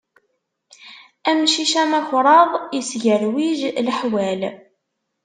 Amcic amakṛaḍ, isgerwij leḥwal.